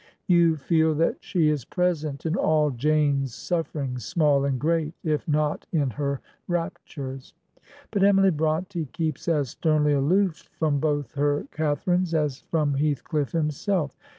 You feel that she is present in all Jeme's sufferings, small and great, if not in her raptures; but Emily BrontS keeps as sternly aloof from both her Cath arines as from Heathcliff himself.